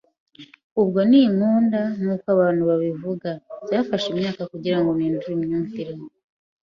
ubwo ntinkunda nk’uko abantu babivuga. Byamfashe imyaka kugira ngo mpindure imyumvire